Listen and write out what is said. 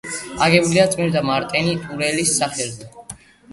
აგებულია წმინდა მარტინე ტურელის სახელზე.